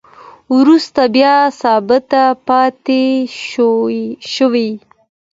وروسته بیا ثابته پاتې شوې